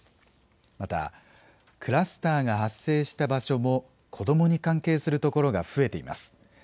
また、クラスターが発生した場所も、子どもに関係するところが増えています。